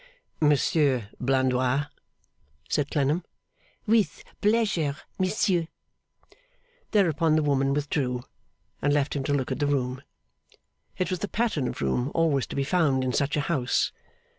'Monsieur Blandois,' said Clennam. 'With pleasure, Monsieur.' Thereupon the woman withdrew and left him to look at the room. It was the pattern of room always to be found in such a house.